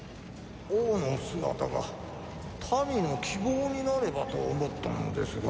王の姿が民の希望になればと思ったのですが。